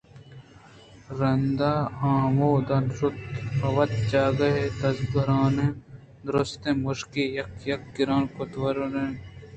رندا آ ہمود ءَ شُت ءُ پہ وت جاگہے دزگِران ءَ درٛستیں مُشکے یک یکّ ءَ گِران کُت ءُ وارتنت